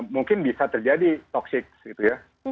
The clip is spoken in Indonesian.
mungkin bisa terjadi toxic gitu ya